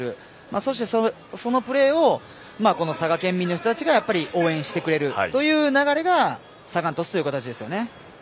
そして、そのプレーを佐賀県民の人たちが応援してくれるという流れがサガン鳥栖という形ですよね。